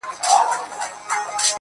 په هغه لار راسره نه راځي زړه